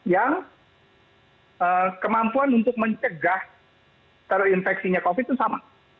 yang kemampuan untuk mencegah terinfeksinya covid itu sama